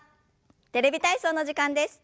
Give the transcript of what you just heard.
「テレビ体操」の時間です。